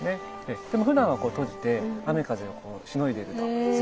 でもふだんは閉じて雨風をしのいでいると。